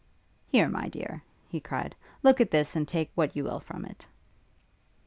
'Here, my dear,' he cried, 'look at this, and take what you will from it.'